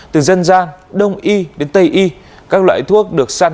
từ dân gian đông y đến tây y các loại thuốc được xác minh